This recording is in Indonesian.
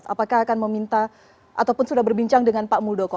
apakah akan meminta ataupun sudah berbincang dengan pak muldoko